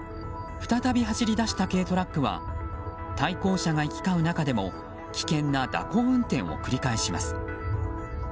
再び走り出した軽トラックは対向車が行き交う中でも危険な蛇行運転を繰り返します。